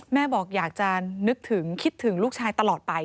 แม่บอกอยากจะนึกถึงคิดถึงลูกชายตลอดไป